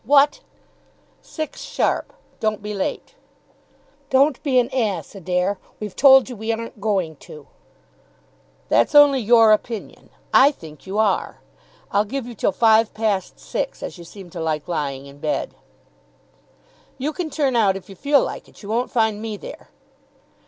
"What!" "Six sharp. Don't be late." "Don't be an ass, Adair. We've told you we aren't going to." "That's only your opinion. I think you are. I'll give you till five past six, as you seem to like lying in bed." "You can turn out if you feel like it. You won't find me there."